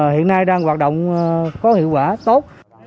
hiện nay đang hoạt động có hiệu quả tốt